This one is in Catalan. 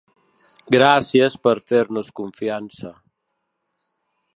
Gràcies per fer-nos confiança.